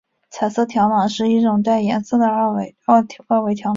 彩色条码是一种带颜色的二维条码。